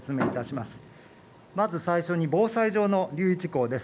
まず最初に防災上の留意事項です。